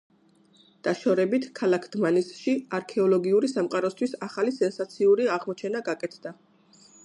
დაშორებით, ქალაქ დმანისში, არქეოლოგიური სამყაროსთვის ახალი სენსაციური აღმოჩენა გაკეთდა.